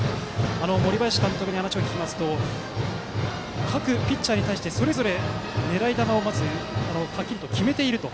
森林監督に話を聞きますと各ピッチャーに対して、それぞれ狙い球をまずはっきり決めていると。